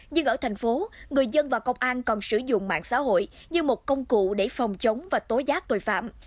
nhưng ở thành phố người dân và công an còn sử dụng mạng xã hội như một công cụ để phòng chống và tối giác tội phạm